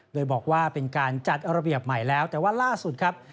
โดยบอกว่าเป็นการจัดระเบียบใหม่แล้วแต่ว่าล่าสุดครับ